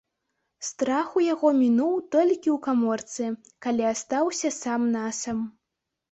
Страх у яго мінуў толькі ў каморцы, калі астаўся сам-насам.